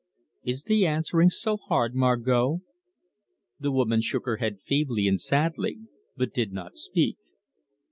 "Is the answering so hard, Margot?" The woman shook her head feebly and sadly, but did not speak.